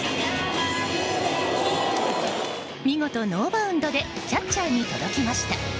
見事、ノーバウンドでキャッチャーに届きました。